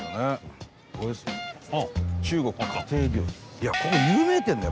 いやここ有名店だよ